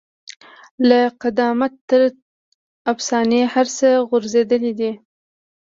له قدامت تر افسانې هر څه غوړېدلي دي.